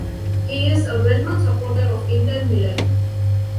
He's a well-known supporter of Inter Milan.